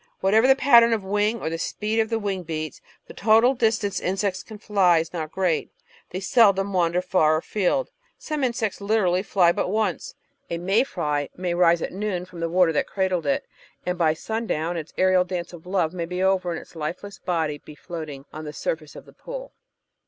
Whatever the pattern of wing or the speed of the wing beats, the total distance insects can fly is not great; they seldom wander far afield. Some insects literally fly but once. A may fly may rise at noon from the water that cradled it, and by sun down its aerial dance of love may be over and its lifeless body be floating on the surface of the pool.